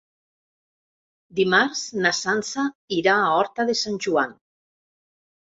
Dimarts na Sança irà a Horta de Sant Joan.